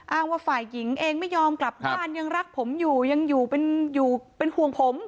ว่าฝ่ายหญิงเองไม่ยอมกลับบ้านยังรักผมอยู่ยังอยู่เป็นอยู่เป็นห่วงผม